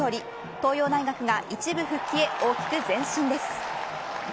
東洋大学が１部復帰へ大きく前進です。